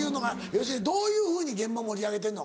芳根どういうふうに現場盛り上げてんの？